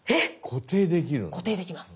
固定できます。